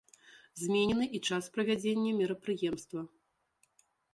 Зменены і час правядзення мерапрыемства.